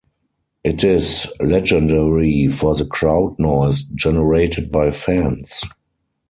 It is legendary for the crowd noise generated by fans.